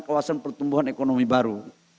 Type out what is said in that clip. kawasan pertumbuhan ekonomi baru